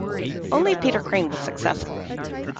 Only Peter Craine was successful.